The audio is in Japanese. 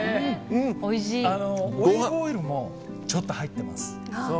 オリーブオイルもちょっと入ってます。